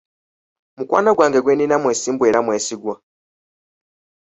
Mukwano gwange gwe nnina mwesimbu era mwesigwa?